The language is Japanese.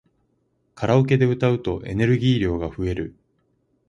カラオケで歌うとエネルギー量が増える